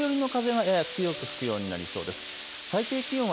北寄りの風がやや強く吹くようになりそうです。